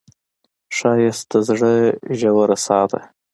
ښایست د زړه ژور ساه ده